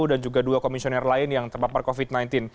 dan juga dua komisioner lain yang terpapar covid sembilan belas